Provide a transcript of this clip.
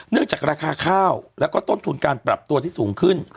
จากราคาข้าวแล้วก็ต้นทุนการปรับตัวที่สูงขึ้น